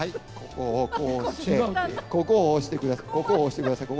ここを押してください、ここを押してください。